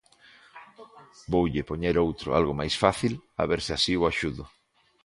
Voulle poñer outro algo máis fácil, a ver se así o axudo.